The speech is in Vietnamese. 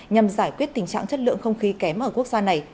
nhằm giải quyết tình trạng chất lượng không khí kém ở quốc gia này